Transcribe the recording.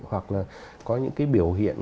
hoặc là có những cái biểu hiện